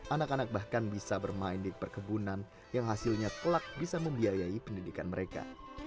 anak anak bahkan bisa bermain di perkebunan yang hasilnya telak bisa membiayai pendidikan mereka